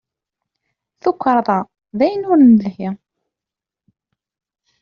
Tukarḍa d ayen ur nelhi.